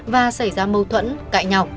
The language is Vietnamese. và xảy ra mâu thuẫn cãi nhỏ